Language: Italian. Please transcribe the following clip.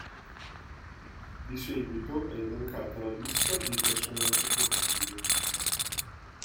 Di seguito è elencata la lista dei personaggi giocabili.